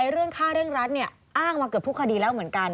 เรื่องค่าเร่งรัดอ้างมาเกือบทุกคดีแล้วเหมือนกัน